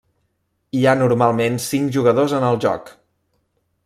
Hi ha normalment cinc jugadors en el joc.